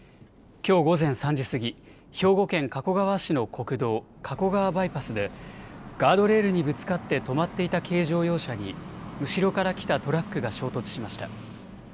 きょう午前３時過ぎ、兵庫県加古川市の国道、加古川バイパスでガードレールにぶつかって止まっていた軽乗用車に後ろから来たトラックが衝突しました。